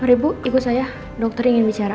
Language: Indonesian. mari ibu ikut saya dokter ingin bicara